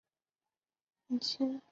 扳机扣力很轻。